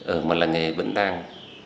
ở một làng nghề vẫn đang